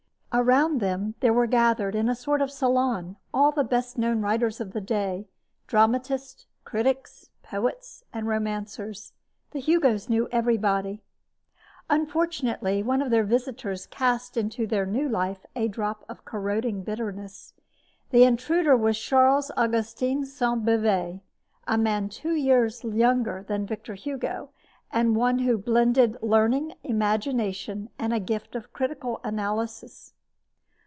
Around them there were gathered, in a sort of salon, all the best known writers of the day dramatists, critics, poets, and romancers. The Hugos knew everybody. Unfortunately, one of their visitors cast into their new life a drop of corroding bitterness. This intruder was Charles Augustin Sainte Beuve, a man two years younger than Victor Hugo, and one who blended learning, imagination, and a gift of critical analysis.